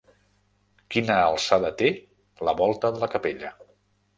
Quina alçada té la volta de la capella?